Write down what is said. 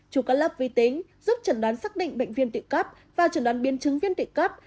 trừ các lớp vi tính giúp chẩn đoán xác định bệnh viên tụy cấp và chẩn đoán biên chứng viên tụy cấp